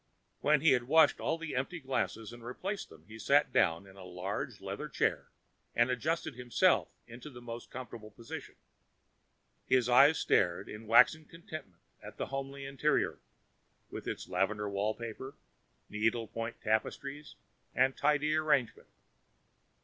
When he had washed all the empty glasses and replaced them, he sat down in the large leather chair and adjusted himself into the most comfortable position. His eyes stared in waxen contentment at the homely interior, with its lavender wallpaper, needle point tapestries and tidy arrangement.